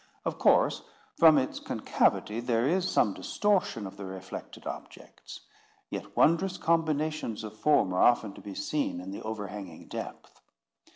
Of course, from its concavity there is some distortion of the reflected objects; yet wondrous combinations of form are often to be seen in the overhanging depth.